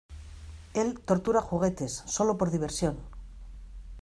¡ Él tortura juguetes, sólo por diversión!